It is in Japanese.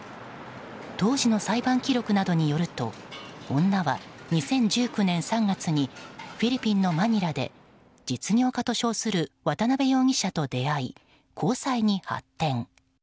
当時の裁判記録などによると女は２０１９年３月にフィリピンのマニラで実業家と称する渡辺容疑者と出会い、交際に発展。